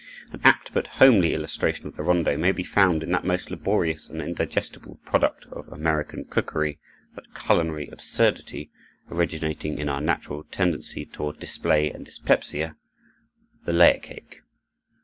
An apt but homely illustration of the rondo may be found in that most laborious and indigestible product of American cookery, that culinary absurdity, originating in our natural tendency toward display and dyspepsia, the layer cake.